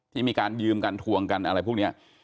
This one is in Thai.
ที่มีการยืมกันทวงกันอะไรพวกนี้